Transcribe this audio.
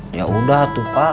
yaudah tuh pak